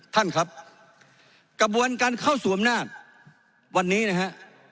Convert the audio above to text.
ท่านครับกระบวนการเข้าสู่อำนาจวันนี้นะฮะ